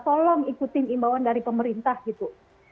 tolong ikutin imbauan dari pemerintah gitu